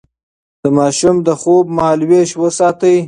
د ماشوم د خوب مهالويش وساتئ.